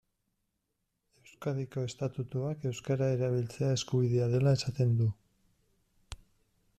Euskadiko estatutuak euskara erabiltzea eskubidea dela esaten du.